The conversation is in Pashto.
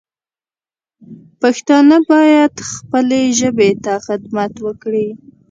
پښتانه باید خپلې ژبې ته خدمت وکړي